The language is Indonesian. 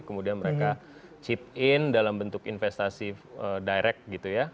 kemudian mereka chip in dalam bentuk investasi direct gitu ya